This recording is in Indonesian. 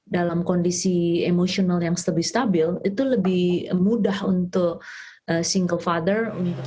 dalam kondisi emosional yang lebih stabil itu lebih mudah untuk single father